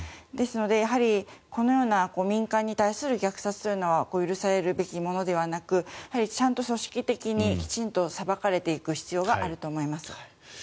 ですのでやはりこのような民間に対する虐殺というのは許されるべきものではなくちゃんと組織的にきちんと裁かれていく必要があると思います。